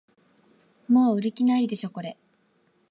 もう売る気ないでしょこれ